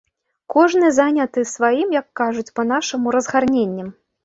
Кожны заняты сваім, як кажуць па-нашаму, разгарненнем.